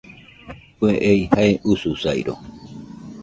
Kue ei jae ususairo